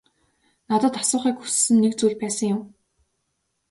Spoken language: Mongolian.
Надад асуухыг хүссэн нэг зүйл байсан юм.